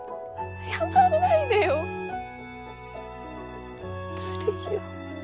謝んないでよ。ずるいよ。